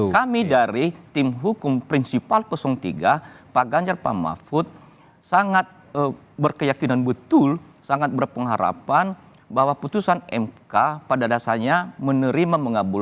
kami dari tim hukum prinsipal tiga pak ganjar pak mahfud sangat berkeyakinan betul sangat berpengharapan bahwa putusan mk pada dasarnya menerima mengabulkan